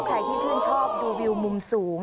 ใครที่ชื่นชอบดูวิวมุมสูง